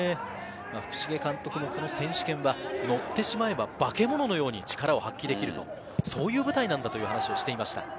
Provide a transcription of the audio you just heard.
福重監督もこの選手権はのってしまえば、化け物のように力を発揮できる、そういう舞台なんだという話をしていました。